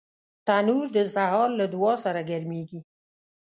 تنور د سهار له دعا سره ګرمېږي